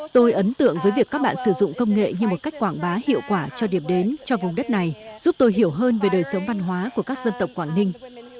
tôi ấn tượng với việc các bạn sử dụng công nghệ như một cách quảng bá hiệu quả cho điểm đến cho vùng đất này giúp tôi hiểu hơn về đời sống văn hóa của các dân tộc quảng ninh